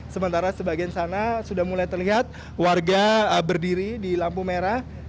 sementara sebagian sana sudah mulai terlihat warga berdiri di lampu merah